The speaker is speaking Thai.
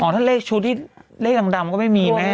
ถ้าเลขชุดที่เลขดำก็ไม่มีแม่